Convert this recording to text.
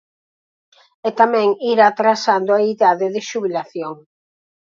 E tamén ir atrasando a idade de xubilación.